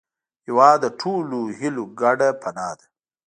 هېواد د ټولو هیلو ګډه پناه ده.